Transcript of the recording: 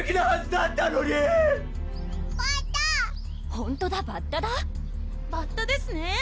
ほんとだバッタだバッタですね